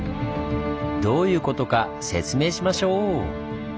どういうことか説明しましょう！